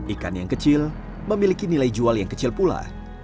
ikan yang kecil memiliki nilai jual yang kecil pula